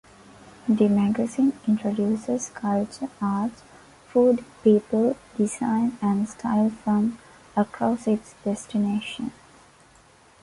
The magazine introduces culture, arts, food, people, design and style from across its destinations.